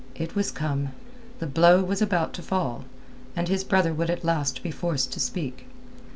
It was come. The blow was about to fall, and his brother would at last be forced to speak.